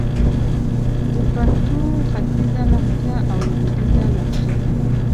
د پښتو ختیځه لهجه او لويديځه لهجه